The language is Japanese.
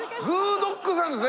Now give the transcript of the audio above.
ドッグさんですね。